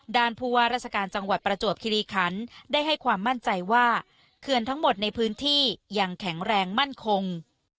ผู้ว่าราชการจังหวัดประจวบคิริคันได้ให้ความมั่นใจว่าเขื่อนทั้งหมดในพื้นที่ยังแข็งแรงมั่นคง